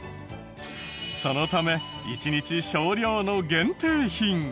そのため１日少量の限定品。